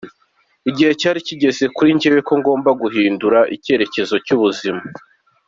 Igihe cyari kigeze kuri jye ko ngomba guhindura ikerekezo cy’ubuzima.